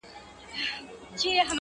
مړ مي مړوند دی.